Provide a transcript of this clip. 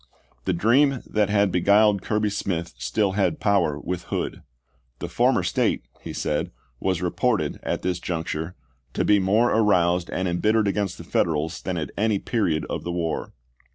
The dream that had beguiled Kirby Smith still had power with Hood ; "the former State," he said, "was reported, at this juncture, to be more aroused and embittered against the Federals than at any period of the war."